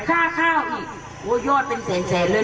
ค่าข้าวอีกโอ้ยอดเป็นแสนแสนเลย